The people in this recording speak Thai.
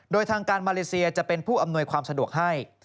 โดยทางการมาเลเซียจะเป็นผู้อำนวยความสะดวกให้